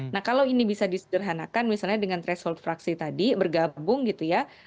nah kalau ini bisa disederhanakan misalnya dengan threshold fraksi tadi bergabung gitu ya